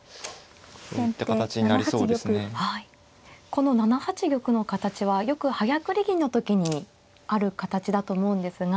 この７八玉の形はよく早繰り銀の時にある形だと思うんですが。